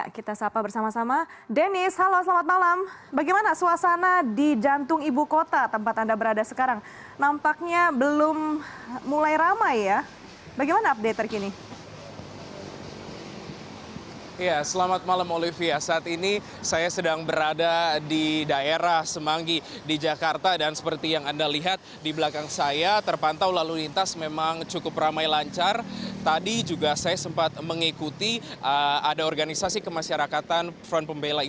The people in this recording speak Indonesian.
kita sapa bersama sama dennis halo selamat malam bagaimana suasana di jantung ibu kota tempat anda berada sekarang nampaknya belum mulai ramai ya bagaimana update terkini